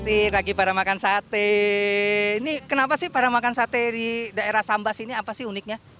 ini lagi pada makan sate ini kenapa sih para makan sate di daerah sambas ini apa sih uniknya